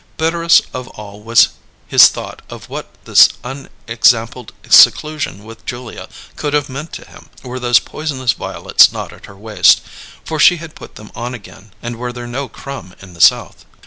Bitterest of all was his thought of what this unexampled seclusion with Julia could have meant to him, were those poisonous violets not at her waist for she had put them on again and were there no Crum in the South.